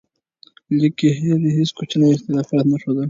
لیک کې یې هیڅ کوچنی اختلاف نه ښودل.